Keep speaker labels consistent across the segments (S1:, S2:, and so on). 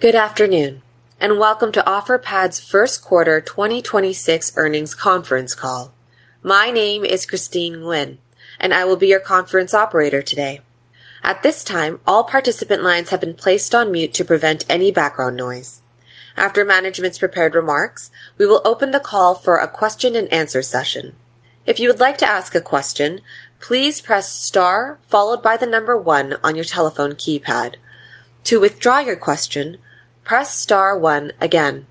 S1: Good afternoon. Welcome to Offerpad's first quarter 2026 Earnings Conference Call. My name is Christine Nguyen, and I will be your conference operator today. At this time, all participant lines have been placed on mute to prevent any background noise. After management's prepared remarks, we will open the call for a question and answer session. If you would like to ask a question, please press star followed by the number one on your telephone keypad. To withdraw your question, press star one again.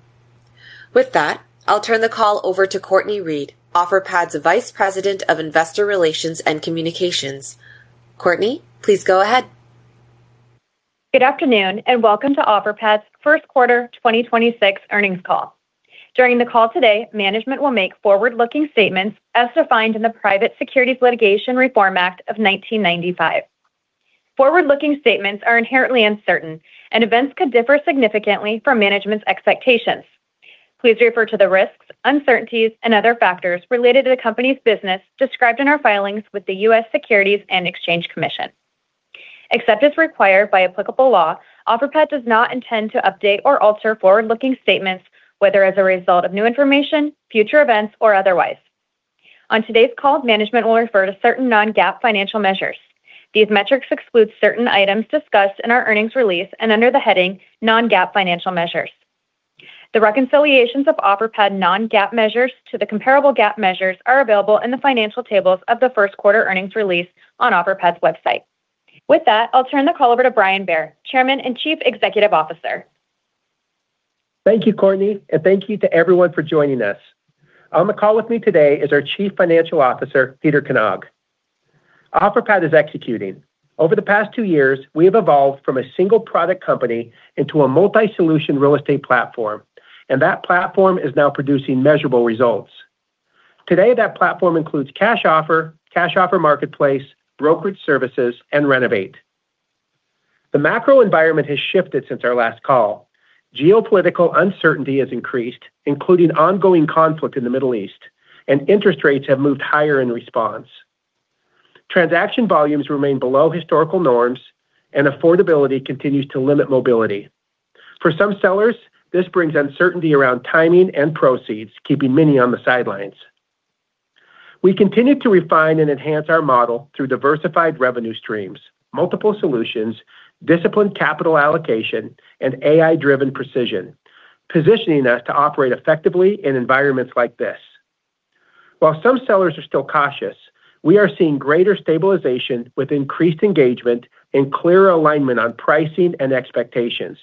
S1: With that, I will turn the call over to Cortney Read, Offerpad's Vice President of Investor Relations and Communications. Cortney, please go ahead.
S2: Good afternoon. Welcome to Offerpad's first quarter 2026 Earnings Call. During the call today, management will make forward-looking statements as defined in the Private Securities Litigation Reform Act of 1995. Forward-looking statements are inherently uncertain. Events could differ significantly from management's expectations. Please refer to the risks, uncertainties, and other factors related to the company's business described in our filings with the U.S. Securities and Exchange Commission. Except as required by applicable law, Offerpad does not intend to update or alter forward-looking statements, whether as a result of new information, future events, or otherwise. On today's call, management will refer to certain non-GAAP financial measures. These metrics exclude certain items discussed in our earnings release and under the heading Non-GAAP Financial Measures. The reconciliations of Offerpad non-GAAP measures to the comparable GAAP measures are available in the financial tables of the first quarter earnings release on Offerpad's website. With that, I'll turn the call over to Brian Bair, Chairman and Chief Executive Officer.
S3: Thank you, Cortney, and thank you to everyone for joining us. On the call with me today is our Chief Financial Officer, Peter Knag. Offerpad is executing. Over the past two years, we have evolved from a single product company into a multi-solution real estate platform, and that platform is now producing measurable results. Today, that platform includes Cash Offer, Cash Offer Marketplace, Brokerage Services, and Renovate. The macro environment has shifted since our last call. Geopolitical uncertainty has increased, including ongoing conflict in the Middle East, and interest rates have moved higher in response. Transaction volumes remain below historical norms, and affordability continues to limit mobility. For some sellers, this brings uncertainty around timing and proceeds, keeping many on the sidelines. We continue to refine and enhance our model through diversified revenue streams, multiple solutions, disciplined capital allocation, and AI-driven precision, positioning us to operate effectively in environments like this. While some sellers are still cautious, we are seeing greater stabilization with increased engagement and clearer alignment on pricing and expectations.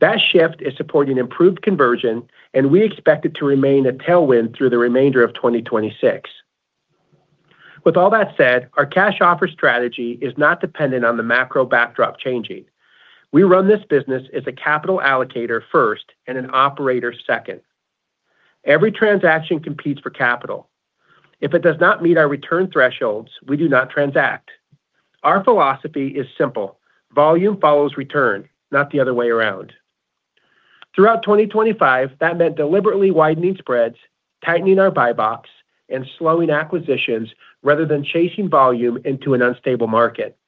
S3: That shift is supporting improved conversion, and we expect it to remain a tailwind through the remainder of 2026. With all that said, our Cash Offer strategy is not dependent on the macro backdrop changing. We run this business as a capital allocator first and an operator second. Every transaction competes for capital. If it does not meet our return thresholds, we do not transact. Our philosophy is simple: volume follows return, not the other way around. Throughout 2025, that meant deliberately widening spreads, tightening our buy box, and slowing acquisitions rather than chasing volume into an unstable market.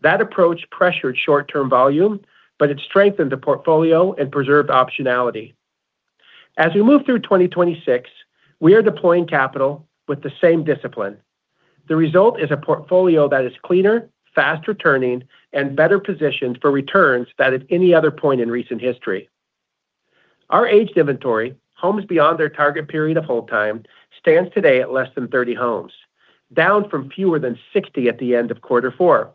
S3: That approach pressured short-term volume, but it strengthened the portfolio and preserved optionality. As we move through 2026, we are deploying capital with the same discipline. The result is a portfolio that is cleaner, fast returning, and better positioned for returns than at any other point in recent history. Our aged inventory, homes beyond their target period of hold time, stands today at less than 30 homes, down from fewer than 60 at the end of quarter four.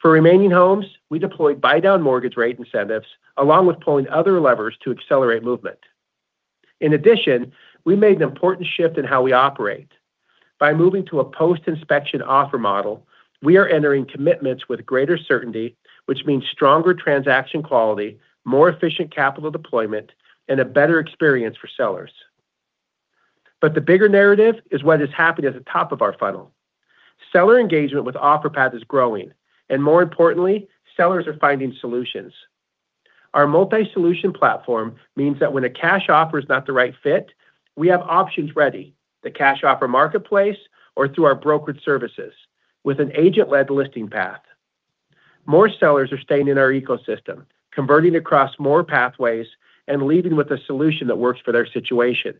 S3: For remaining homes, we deployed buy-down mortgage rate incentives along with pulling other levers to accelerate movement. In addition, we made an important shift in how we operate. By moving to a post-inspection offer model, we are entering commitments with greater certainty, which means stronger transaction quality, more efficient capital deployment, and a better experience for sellers. The bigger narrative is what is happening at the top of our funnel. Seller engagement with Offerpad is growing, and more importantly, sellers are finding solutions. Our multi-solution platform means that when a cash offer is not the right fit, we have options ready, the Cash Offer Marketplace or through our Brokerage Services with an agent-led listing path. More sellers are staying in our ecosystem, converting across more pathways and leaving with a solution that works for their situation.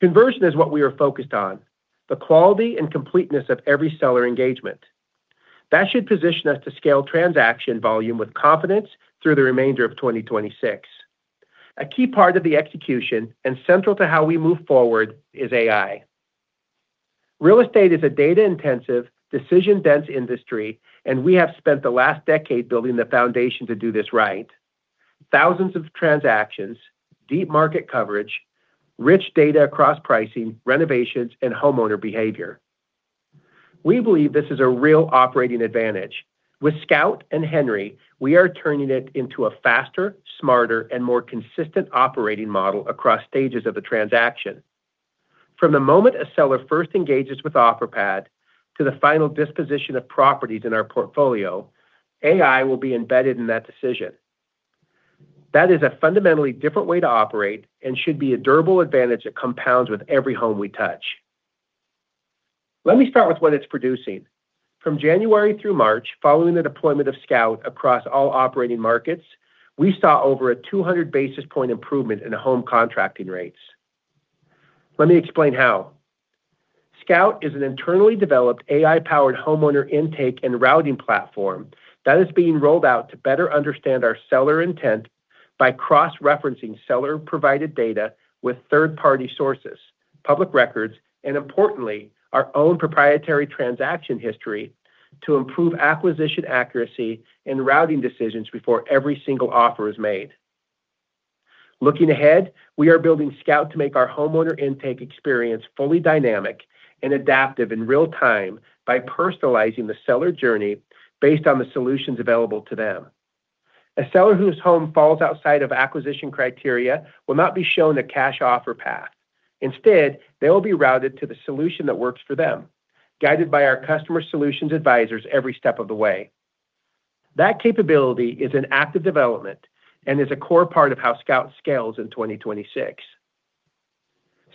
S3: Conversion is what we are focused on, the quality and completeness of every seller engagement. That should position us to scale transaction volume with confidence through the remainder of 2026. A key part of the execution and central to how we move forward is AI. Real estate is a data-intensive, decision-dense industry, and we have spent the last decade building the foundation to do this right. Thousands of transactions, deep market coverage, rich data across pricing, renovations, and homeowner behavior. We believe this is a real operating advantage. With SCOUT and HENRY, we are turning it into a faster, smarter, and more consistent operating model across stages of the transaction. From the moment a seller first engages with Offerpad to the final disposition of properties in our portfolio, AI will be embedded in that decision. That is a fundamentally different way to operate and should be a durable advantage that compounds with every home we touch. Let me start with what it's producing. From January through March, following the deployment of SCOUT across all operating markets, we saw over a 200 basis point improvement in home contracting rates. Let me explain how. SCOUT is an internally developed AI-powered homeowner intake and routing platform that is being rolled out to better understand our seller intent by cross-referencing seller-provided data with third-party sources, public records, and importantly, our own proprietary transaction history to improve acquisition accuracy and routing decisions before every single offer is made. Looking ahead, we are building SCOUT to make our homeowner intake experience fully dynamic and adaptive in real time by personalizing the seller journey based on the solutions available to them. A seller whose home falls outside of acquisition criteria will not be shown a Cash Offer path. Instead, they will be routed to the solution that works for them, guided by our customer solutions advisors every step of the way. That capability is in active development and is a core part of how SCOUT scales in 2026.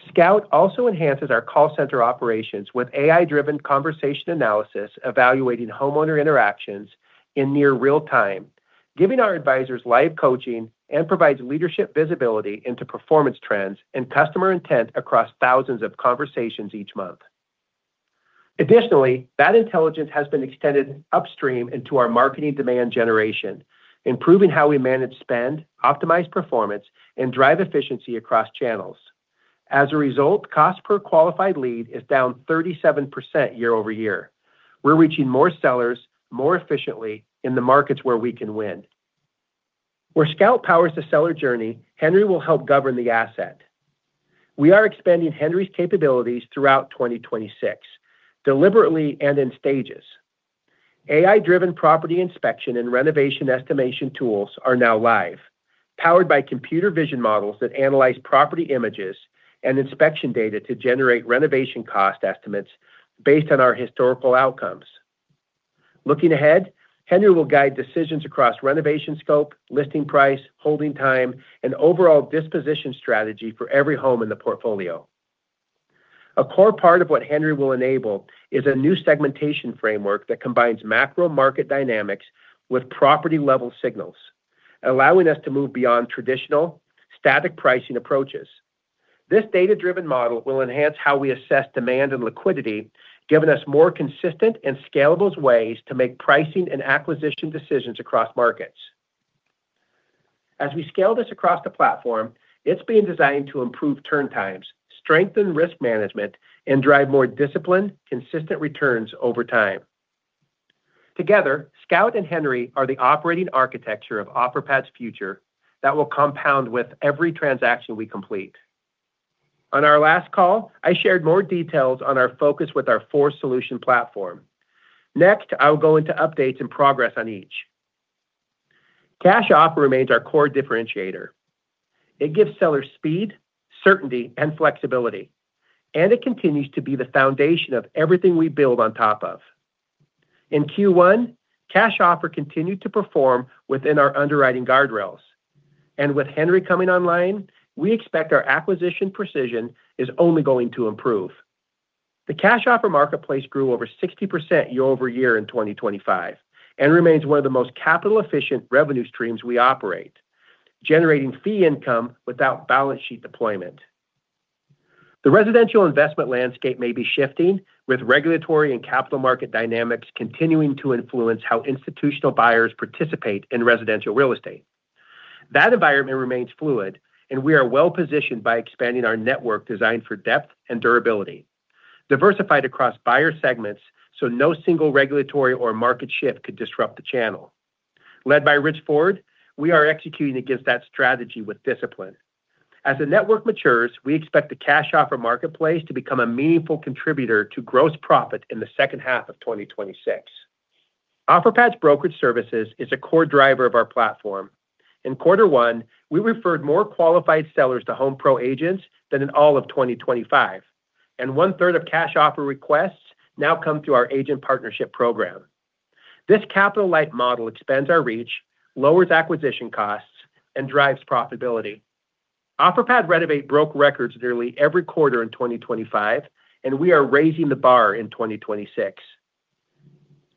S3: SCOUT also enhances our call center operations with AI-driven conversation analysis, evaluating homeowner interactions in near real time, giving our advisors live coaching and provides leadership visibility into performance trends and customer intent across thousands of conversations each month. Additionally, that intelligence has been extended upstream into our marketing demand generation, improving how we manage spend, optimize performance, and drive efficiency across channels. As a result, cost per qualified lead is down 37% year-over-year. We're reaching more sellers more efficiently in the markets where we can win. Where SCOUT powers the seller journey, HENRY will help govern the asset. We are expanding HENRY's capabilities throughout 2026, deliberately and in stages. AI-driven property inspection and renovation estimation tools are now live, powered by computer vision models that analyze property images and inspection data to generate renovation cost estimates based on our historical outcomes. Looking ahead, HENRY will guide decisions across renovation scope, listing price, holding time, and overall disposition strategy for every home in the portfolio. A core part of what HENRY will enable is a new segmentation framework that combines macro market dynamics with property-level signals, allowing us to move beyond traditional static pricing approaches. This data-driven model will enhance how we assess demand and liquidity, giving us more consistent and scalable ways to make pricing and acquisition decisions across markets. As we scale this across the platform, it's being designed to improve turn times, strengthen risk management, and drive more disciplined, consistent returns over time. Together, SCOUT and HENRY are the operating architecture of Offerpad's future that will compound with every transaction we complete. On our last call, I shared more details on our focus with our 4-solution platform. Next, I will go into updates and progress on each. Cash Offer remains our core differentiator. It gives sellers speed, certainty, and flexibility, and it continues to be the foundation of everything we build on top of. In Q1, Cash Offer continued to perform within our underwriting guardrails. With HENRY coming online, we expect our acquisition precision is only going to improve. The Cash Offer Marketplace grew over 60% year-over-year in 2025, and remains one of the most capital efficient revenue streams we operate, generating fee income without balance sheet deployment. The residential investment landscape may be shifting with regulatory and capital market dynamics continuing to influence how institutional buyers participate in residential real estate. That environment remains fluid, and we are well-positioned by expanding our network designed for depth and durability, diversified across buyer segments, so no single regulatory or market shift could disrupt the channel. Led by Rich Ford, we are executing against that strategy with discipline. As the network matures, we expect the Cash Offer Marketplace to become a meaningful contributor to gross profit in the second half of 2026. Offerpad's Brokerage Services is a core driver of our platform. In quarter one, we referred more qualified sellers to HomePro agents than in all of 2025, and one-third of Cash Offer requests now come through our Agent Partnership Program. This capital-light model expands our reach, lowers acquisition costs, and drives profitability. Offerpad Renovate broke records nearly every quarter in 2025, and we are raising the bar in 2026.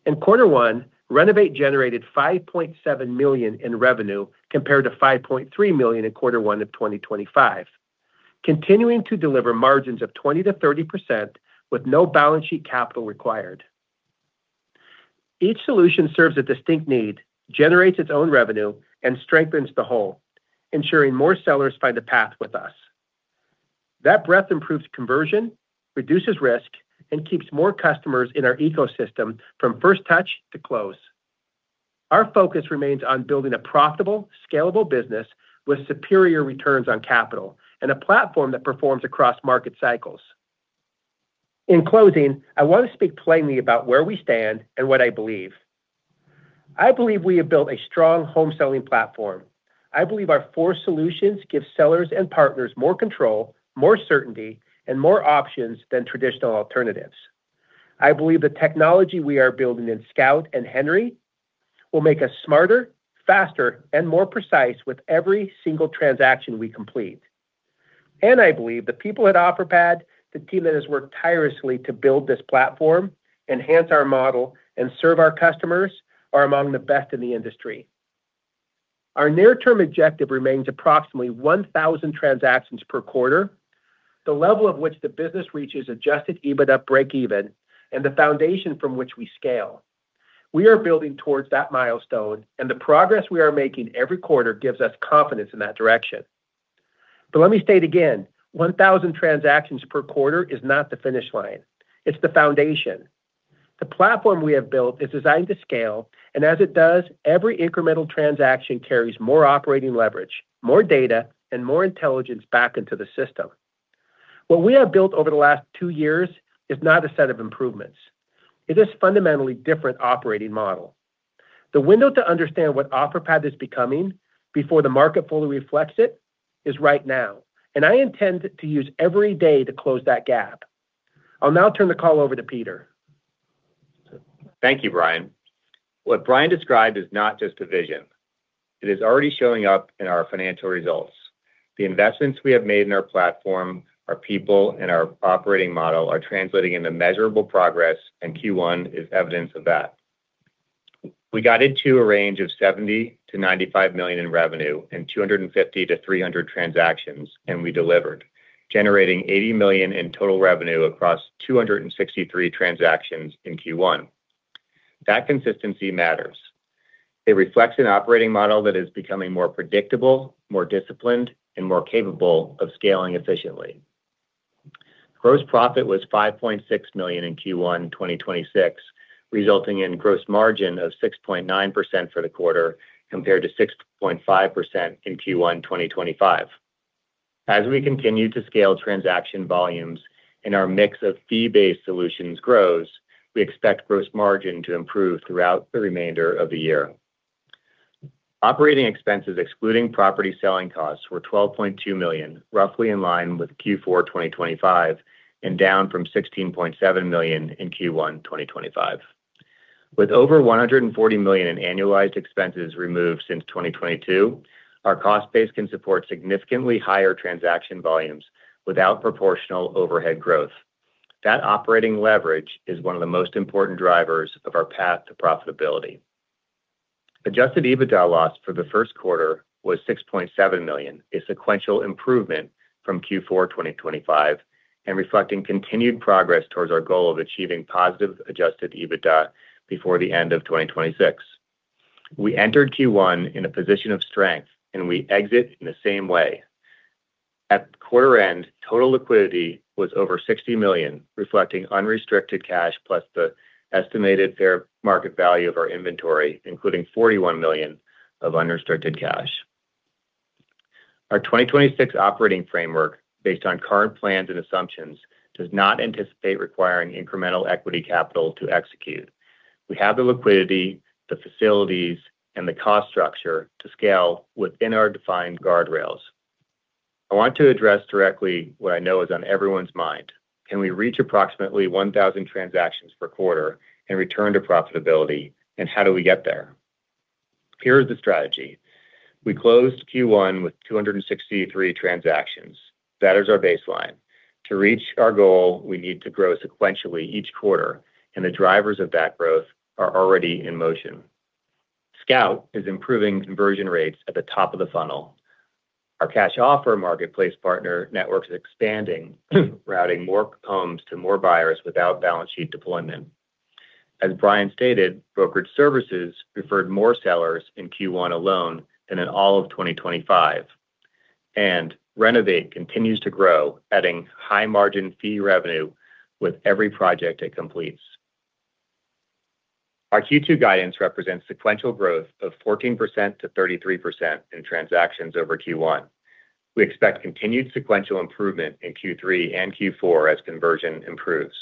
S3: In quarter one, Renovate generated $5.7 million in revenue compared to $5.3 million in quarter one of 2025, continuing to deliver margins of 20%-30% with no balance sheet capital required. Each solution serves a distinct need, generates its own revenue, and strengthens the whole, ensuring more sellers find a path with us. That breadth improves conversion, reduces risk, and keeps more customers in our ecosystem from first touch to close. Our focus remains on building a profitable, scalable business with superior returns on capital and a platform that performs across market cycles. In closing, I want to speak plainly about where we stand and what I believe. I believe we have built a strong home selling platform. I believe our four solutions give sellers and partners more control, more certainty, and more options than traditional alternatives. I believe the technology we are building in SCOUT and HENRY will make us smarter, faster, and more precise with every single transaction we complete. I believe the people at Offerpad, the team that has worked tirelessly to build this platform, enhance our model, and serve our customers, are among the best in the industry. Our near-term objective remains approximately 1,000 transactions per quarter, the level of which the business reaches Adjusted EBITDA breakeven, and the foundation from which we scale. We are building towards that milestone, and the progress we are making every quarter gives us confidence in that direction. Let me state again, 1,000 transactions per quarter is not the finish line. It's the foundation. The platform we have built is designed to scale, and as it does, every incremental transaction carries more operating leverage, more data, and more intelligence back into the system. What we have built over the last 2 years is not a set of improvements. It is a fundamentally different operating model. The window to understand what Offerpad is becoming before the market fully reflects it is right now, and I intend to use every day to close that gap. I'll now turn the call over to Peter.
S4: Thank you, Brian. What Brian described is not just a vision. It is already showing up in our financial results. The investments we have made in our platform, our people, and our operating model are translating into measurable progress, and Q1 is evidence of that. We guided to a range of $70 million-$95 million in revenue and 250-300 transactions, and we delivered, generating $80 million in total revenue across 263 transactions in Q1. That consistency matters. It reflects an operating model that is becoming more predictable, more disciplined, and more capable of scaling efficiently. Gross profit was $5.6 million in Q1 2026, resulting in gross margin of 6.9% for the quarter compared to 6.5% in Q1 2025. As we continue to scale transaction volumes and our mix of fee-based solutions grows, we expect gross margin to improve throughout the remainder of the year. Operating expenses, excluding property selling costs, were $12.2 million, roughly in line with Q4 2025 and down from $16.7 million in Q1 2025. With over $140 million in annualized expenses removed since 2022, our cost base can support significantly higher transaction volumes without proportional overhead growth. That operating leverage is one of the most important drivers of our path to profitability. Adjusted EBITDA loss for the first quarter was $6.7 million, a sequential improvement from Q4 2025 and reflecting continued progress towards our goal of achieving positive Adjusted EBITDA before the end of 2026. We entered Q1 in a position of strength, and we exit in the same way. At quarter end, total liquidity was over $60 million, reflecting unrestricted cash plus the estimated fair market value of our inventory, including $41 million of unrestricted cash. Our 2026 operating framework, based on current plans and assumptions, does not anticipate requiring incremental equity capital to execute. We have the liquidity, the facilities, and the cost structure to scale within our defined guardrails. I want to address directly what I know is on everyone's mind. Can we reach approximately 1,000 transactions per quarter and return to profitability, and how do we get there? Here is the strategy. We closed Q1 with 263 transactions. That is our baseline. To reach our goal, we need to grow sequentially each quarter, and the drivers of that growth are already in motion. SCOUT is improving conversion rates at the top of the funnel. Our Cash Offer Marketplace partner network is expanding, routing more homes to more buyers without balance sheet deployment. As Brian stated, Brokerage Services referred more sellers in Q1 alone than in all of 2025. Renovate continues to grow, adding high-margin fee revenue with every project it completes. Our Q2 guidance represents sequential growth of 14%-33% in transactions over Q1. We expect continued sequential improvement in Q3 and Q4 as conversion improves.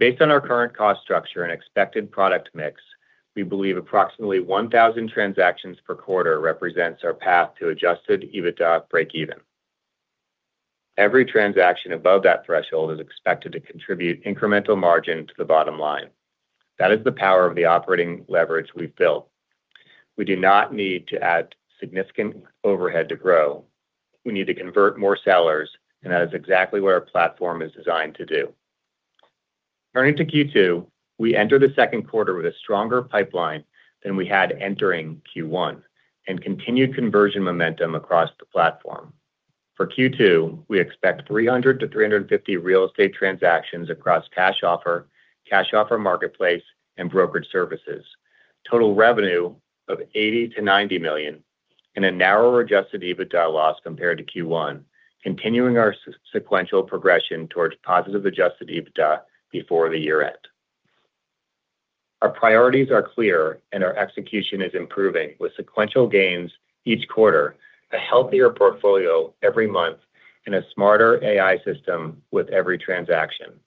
S4: Based on our current cost structure and expected product mix, we believe approximately 1,000 transactions per quarter represents our path to Adjusted EBITDA breakeven. Every transaction above that threshold is expected to contribute incremental margin to the bottom line. That is the power of the operating leverage we've built. We do not need to add significant overhead to grow. We need to convert more sellers, and that is exactly what our platform is designed to do. Turning to Q2, we enter the second quarter with a stronger pipeline than we had entering Q1 and continued conversion momentum across the platform. For Q2, we expect 300-350 real estate transactions across Cash Offer, Cash Offer Marketplace, and Brokerage Services, total revenue of $80 million-$90 million, and a narrower Adjusted EBITDA loss compared to Q1, continuing our sequential progression towards positive Adjusted EBITDA before the year-end. Our priorities are clear, and our execution is improving with sequential gains each quarter, a healthier portfolio every month, and a smarter AI system with every transaction.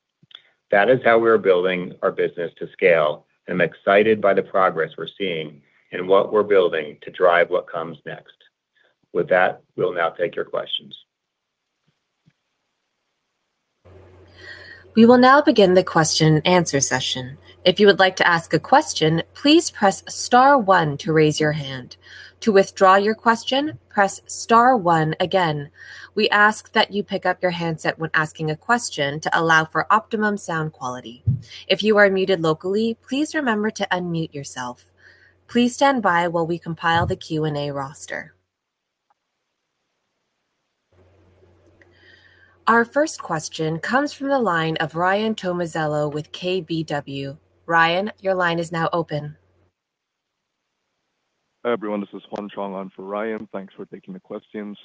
S4: That is how we are building our business to scale. I'm excited by the progress we're seeing and what we're building to drive what comes next. With that, we'll now take your questions.
S1: Our first question comes from the line of Ryan Tomasello with KBW. Ryan, your line is now open.
S5: Hi, everyone. This is Huan Chong on for Ryan. Thanks for taking the questions.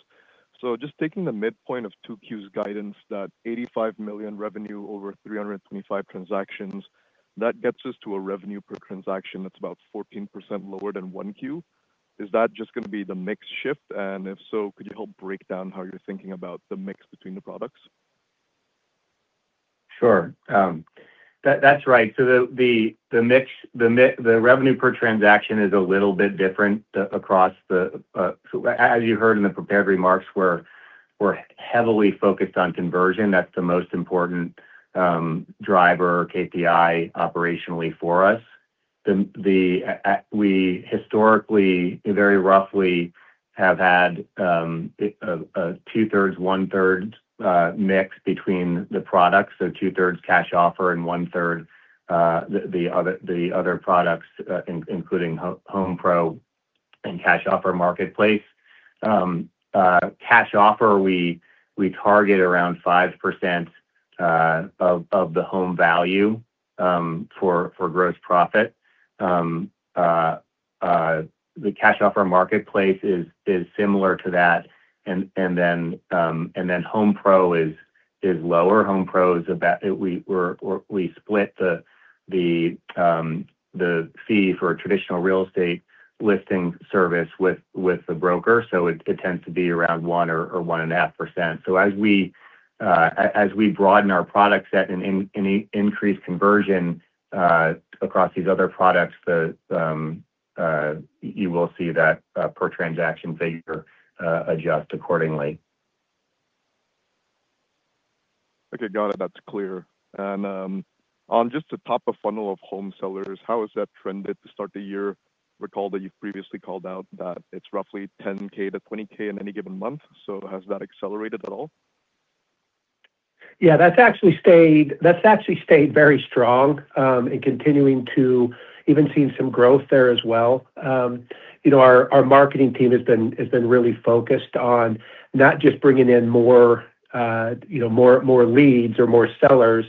S5: Just taking the midpoint of 2Q's guidance, that $85 million revenue over 325 transactions, that gets us to a revenue per transaction that's about 14% lower than 1Q. Is that just going to be the mix shift? If so, could you help break down how you're thinking about the mix between the products?
S4: Sure. That's right. The mix, the revenue per transaction is a little bit different across the. As you heard in the prepared remarks, we're heavily focused on conversion. That's the most important driver or KPI operationally for us. We historically, very roughly have had a two-thirds, one-third mix between the products. Two-thirds Cash Offer and one-third the other products, including HomePro and Cash Offer Marketplace. Cash Offer, we target around 5% of the home value for gross profit. The Cash Offer Marketplace is similar to that. Then HomePro is lower. HomePro's about. We split the fee for a traditional real estate listing service with the broker. It tends to be around 1% or 1.5%. As we broaden our product set and increase conversion across these other products, you will see that per transaction figure adjust accordingly.
S5: Okay. Got it. That's clear. On just the top of funnel of home sellers, how has that trended to start the year? Recall that you've previously called out that it's roughly 10K to 20K in any given month. Has that accelerated at all?
S3: Yeah, that's actually stayed very strong, and continuing to even seeing some growth there as well. You know, our marketing team has been really focused on not just bringing in more, you know, more leads or more sellers,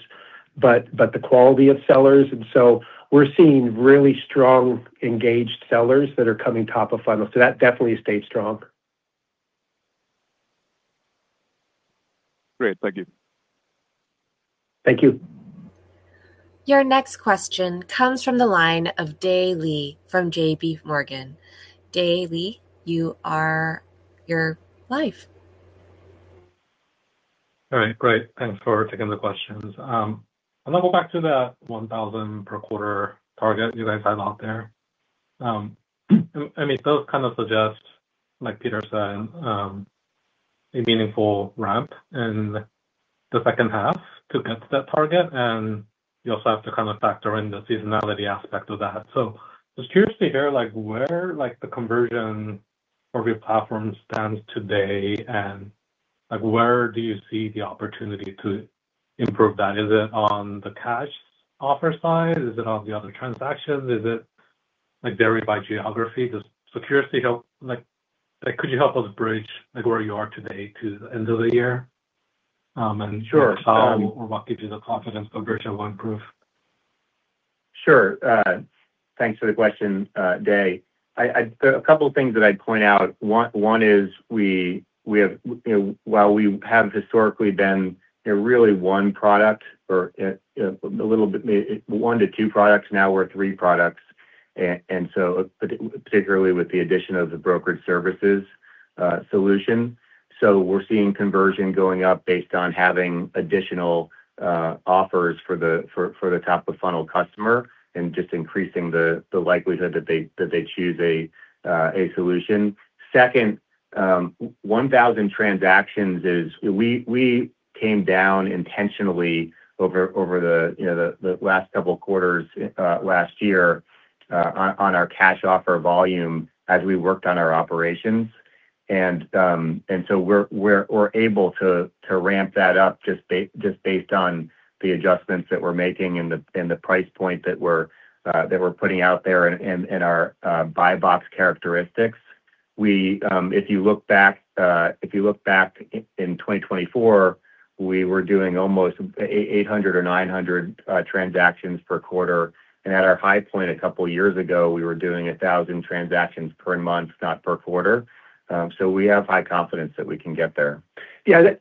S3: but the quality of sellers. We're seeing really strong, engaged sellers that are coming top of funnel. That definitely stayed strong.
S5: Great. Thank you.
S3: Thank you.
S1: Your next question comes from the line of Dae Lee from JPMorgan. Dae Lee, you're live.
S6: All right. Great. Thanks for taking the questions. I wanna go back to the 1,000 per quarter target you guys had out there. I mean, those kind of suggest, like Peter said, a meaningful ramp in the second half to get to that target, and you also have to kind of factor in the seasonality aspect of that. Just curious to hear, like, where, like, the conversion of your platform stands today, and, like, where do you see the opportunity to improve that? Is it on the Cash Offer side? Is it on the other transactions? Is it, like, varied by geography? Just so curiously, could you help us bridge, like, where you are today to the end of the year?
S4: Sure.
S6: how or what gives you the confidence of virtual one proof?
S4: Sure. Thanks for the question, Dae. A couple things that I'd point out. One is we have, you know, while we have historically been a really one product or a little bit, one to two products, now we're three products. Particularly with the addition of the Brokerage Services solution. We're seeing conversion going up based on having additional offers for the top-of-funnel customer and just increasing the likelihood that they choose a solution. Second, 1,000 transactions is we came down intentionally over the, you know, the last couple quarters last year on our Cash Offer volume as we worked on our operations. We're able to ramp that up just based on the adjustments that we're making and the price point that we're putting out there in our buy box characteristics. We, if you look back in 2024, we were doing almost 800 or 900 transactions per quarter. At our high point a couple years ago, we were doing 1,000 transactions per month, not per quarter. We have high confidence that we can get there.
S3: Yeah.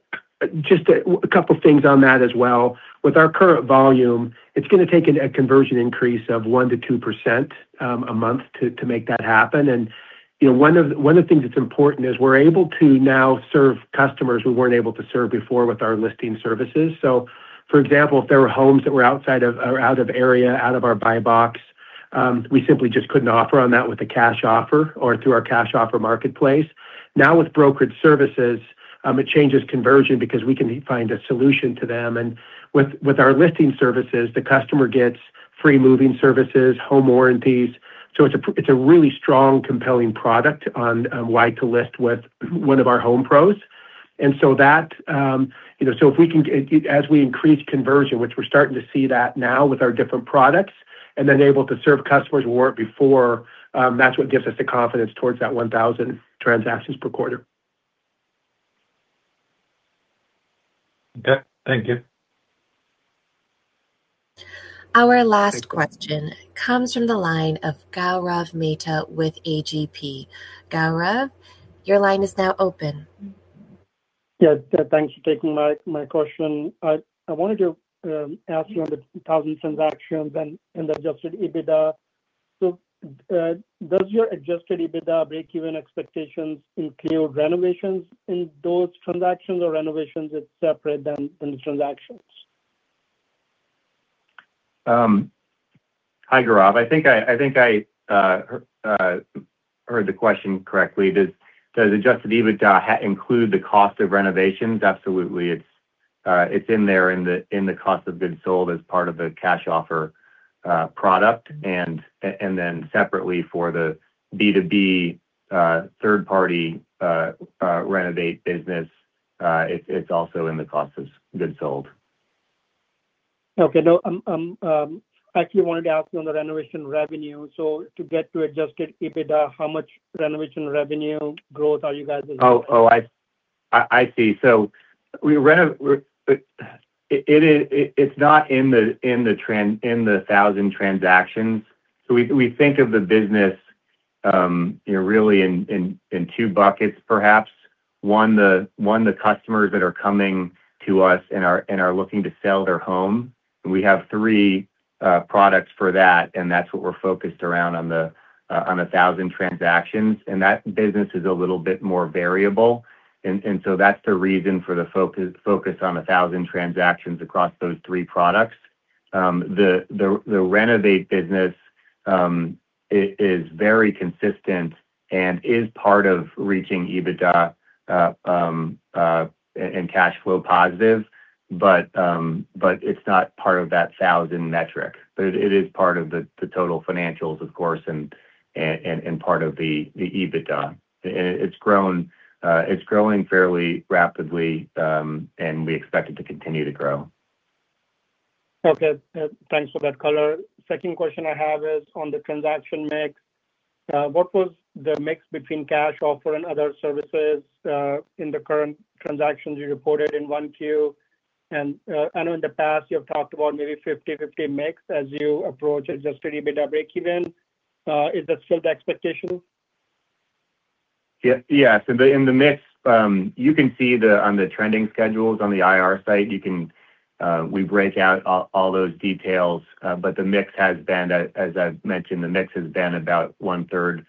S3: Just a couple things on that as well. With our current volume, it is going to take a conversion increase of 1%-2% a month to make that happen. You know, one of the things that is important is we are able to now serve customers we were not able to serve before with our listing services. For example, if there were homes that were outside of or out of area, out of our buy box, we simply just could not offer on that with a Cash Offer or through our Cash Offer Marketplace. Now, with Brokerage Services, it changes conversion because we can find a solution to them. With our listing services, the customer gets free moving services, home warranties. It is a really strong, compelling product on why to list with one of our HomePros. That, you know, as we increase conversion, which we're starting to see that now with our different products, and then able to serve customers who weren't before, that's what gives us the confidence towards that 1,000 transactions per quarter.
S6: Okay. Thank you.
S1: Our last question comes from the line of Gaurav Mehta with AGP. Gaurav, your line is now open.
S7: Thanks for taking my question. I wanted to ask you on the thousand transactions and Adjusted EBITDA. Does your Adjusted EBITDA breakeven expectations include renovations in those transactions, or renovations is separate than the transactions?
S4: Hi, Gaurav. I think I heard the question correctly. Does the Adjusted EBITDA include the cost of renovations? Absolutely. It's in there in the Cost of Goods Sold as part of the Cash Offer product. Then separately for the B2B third party Renovate business, it's also in the Cost of Goods Sold.
S7: Okay. No, actually wanted to ask you on the renovation revenue. To get to Adjusted EBITDA, how much renovation revenue growth are you guys?
S4: I see. It is not in the 1,000 transactions. We think of the business, you know, really in two buckets perhaps. One, the customers that are coming to us and are looking to sell their home. We have three products for that, and that's what we are focused around on the 1,000 transactions. That business is a little bit more variable. That's the reason for the focus on 1,000 transactions across those three products. The Renovate business is very consistent and is part of reaching EBITDA and cash flow positive, but it's not part of that 1,000 metric. It is part of the total financials, of course, and part of the EBITDA. It's growing fairly rapidly, and we expect it to continue to grow.
S7: Okay. Thanks for that color. Second question I have is on the transaction mix. What was the mix between Cash Offer and other services in the current transactions you reported in 1Q? I know in the past you have talked about maybe 50/50 mix as you approach Adjusted EBITDA breakeven. Is that still the expectation?
S4: Yes. In the mix, you can see, on the trending schedules on the IR site, we break out all those details. But the mix has been, as I've mentioned, the mix has been about 1/3,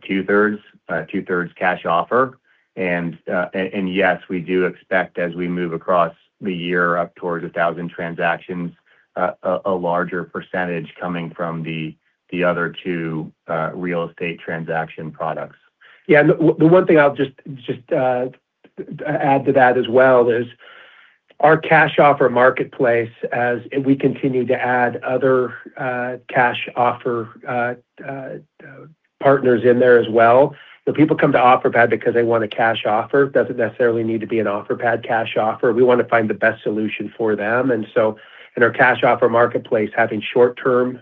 S4: 2/3, 2/3 Cash Offer. Yes, we do expect as we move across the year up towards 1,000 transactions, a larger percentage coming from the other two real estate transaction products.
S3: Yeah. The one thing I'll just add to that as well is our Cash Offer Marketplace, and we continue to add other Cash Offer partners in there as well. The people come to Offerpad because they want a Cash Offer. Doesn't necessarily need to be an Offerpad Cash Offer. We wanna find the best solution for them. In our Cash Offer Marketplace, having short-term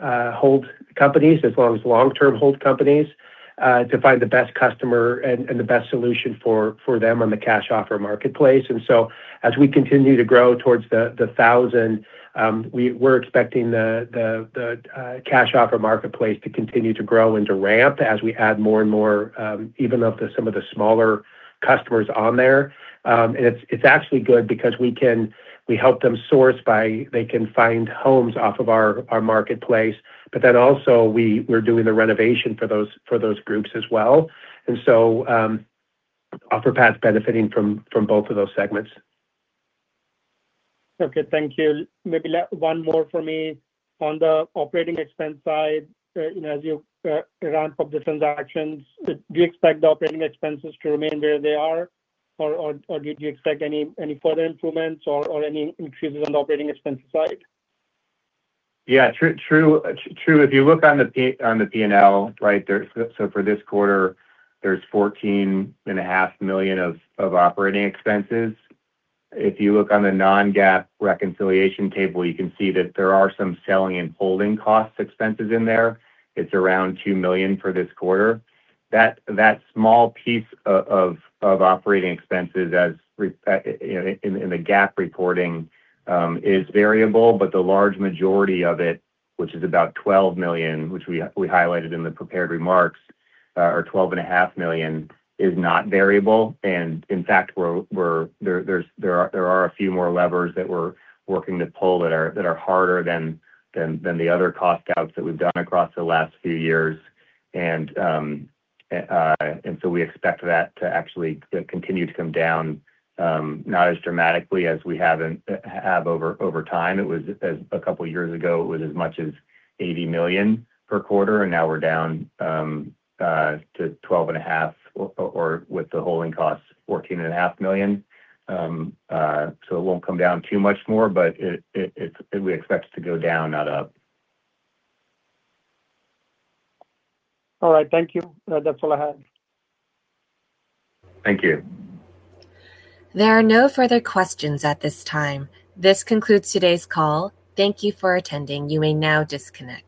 S3: hold companies as well as long-term hold companies to find the best customer and the best solution for them on the Cash Offer Marketplace. As we continue to grow towards the 1,000, we're expecting the Cash Offer Marketplace to continue to grow and to ramp as we add more and more, even of the, some of the smaller customers on there. It's actually good because we help them source by, they can find homes off of our marketplace. Also we're doing the renovation for those groups as well. Offerpad's benefiting from both of those segments.
S7: Okay. Thank you. Maybe one more for me. On the operating expense side, you know, as you ramp up the transactions, do you expect the operating expenses to remain where they are or do you expect any further improvements or any increases on the operating expense side?
S4: Yeah, true, true. If you look on the P&L, right, for this quarter, there's $14.5 million of operating expenses. If you look on the non-GAAP reconciliation table, you can see that there are some selling and holding cost expenses in there. It's around $2 million for this quarter. That small piece of operating expenses as in the GAAP reporting is variable, the large majority of it, which is about $12 million, which we highlighted in the prepared remarks, or $12.5 million, is not variable. In fact, we're there are a few more levers that we're working to pull that are harder than the other cost outs that we've done across the last few years. We expect that to actually continue to come down, not as dramatically as we have over time. It was, as a couple of years ago, it was as much as $80 million per quarter. Now we're down to $12.5 million or, with the holding costs, $14.5 million. It won't come down too much more, but we expect it to go down, not up.
S7: All right. Thank you. That's all I had.
S4: Thank you.
S1: There are no further questions at this time. This concludes today's call. Thank you for attending. You may now disconnect.